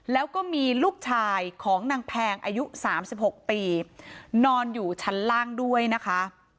แล้วก็มีลูกชายของนางแพงอายุ๓๖ปีนอนอยู่ชั้นล่างด้วยนะคะ